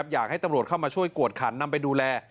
อยากให้ตำรวจเข้ามาช่วยกวดขันนำไปดูแล